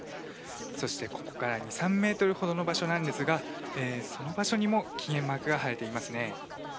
そしてここから２３ｍほどの場所なんですがその場所にも禁煙マークが貼られていますね。